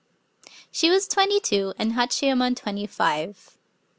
She was twenty two, and Hachiyemon twenty five.